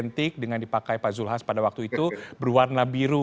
yang ketiga politik dengan dipakai pak zulhas pada waktu itu berwarna biru